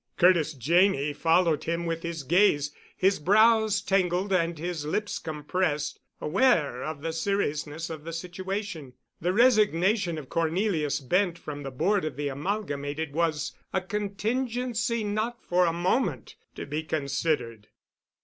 Curtis Janney followed him with his gaze, his brows tangled and his lips compressed, aware of the seriousness of the situation. The resignation of Cornelius Bent from the Board of the Amalgamated was a contingency not for a moment to be considered.